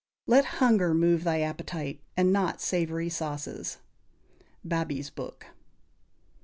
= Let hunger move thy appetyte, and not savory sauces. _Babees Book.